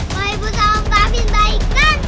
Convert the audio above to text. kalau ibu sama om gafin baikan